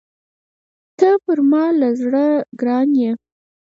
ته پر ما له زړه ګران يې!